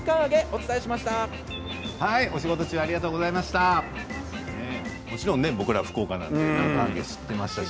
お仕事中ありがとうございました。